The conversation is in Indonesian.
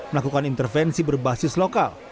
melakukan intervensi berbasis lokal